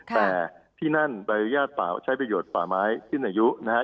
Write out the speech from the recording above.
แต่ที่นั่นบริษัทใช้ประโยชน์ฝ่าไม้ขึ้นอายุนะฮะ